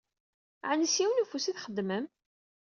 Ɛni s yiwen ufus i txeddmem?